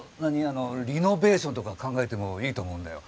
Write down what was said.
あのリノベーションとか考えてもいいと思うんだよ。